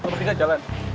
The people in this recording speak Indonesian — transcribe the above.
lo berdua jalan